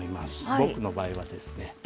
僕の場合はですね